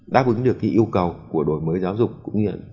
đáp ứng được yêu cầu của đổi mới giáo dục cũng như